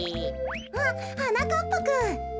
あっはなかっぱくん。